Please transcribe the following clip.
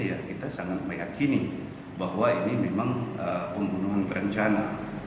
ya kita sangat meyakini bahwa ini memang pembunuhan berencana